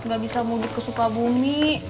gak bisa mudik ke sukabumi